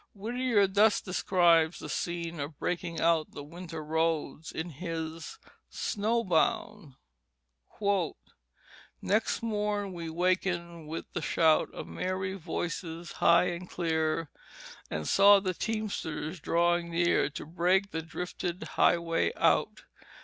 Whittier thus describes the scene of breaking out the winter roads in his Snow Bound: "Next morn we wakened with the shout Of merry voices high and clear; And saw the teamsters drawing near To break the drifted highways out.